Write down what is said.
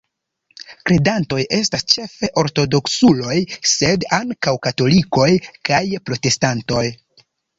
Kredantoj estas ĉefe ortodoksuloj, sed ankaŭ katolikoj kaj protestantoj.